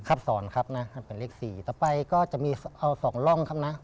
สอนครับนะเป็นเลขสี่ต่อไปก็จะมีเอาสองร่องครับนะ